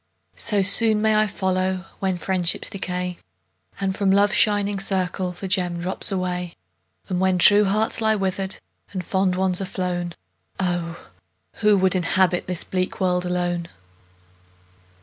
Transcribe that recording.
So soon may I follow, When friendships decay, And from Love's shining circle The gems drop away. When true hearts lie withered, And fond ones are flown, Oh! who would inhabit This bleak world alone!